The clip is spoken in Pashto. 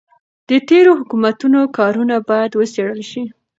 د تېرو حکومتونو کارونه باید وڅیړل شي.